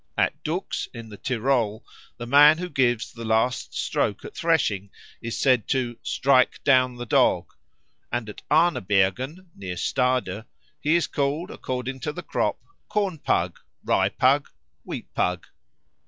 At Dux, in the Tyrol, the man who gives the last stroke at threshing is said to "strike down the Dog"; and at Ahnebergen, near Stade, he is called, according to the crop, Corn pug, Rye pug, Wheat pug.